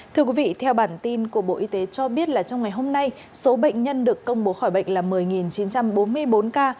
thưa quý vị theo bản tin của bộ y tế cho biết là trong ngày hôm nay số bệnh nhân được công bố khỏi bệnh là một mươi chín trăm bốn mươi bốn ca